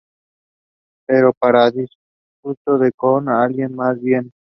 Pero para disgusto del Coon, alguien más viene.